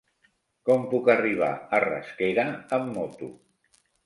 Com puc arribar a Rasquera amb moto?